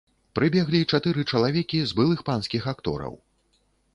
Прыбеглі чатыры чалавекі з былых панскіх актораў.